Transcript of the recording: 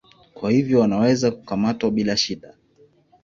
Kwa hivyo wanaweza kukamatwa bila shida.